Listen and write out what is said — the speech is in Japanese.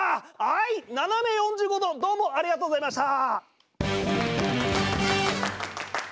あいななめ４５°どうもありがとうございました！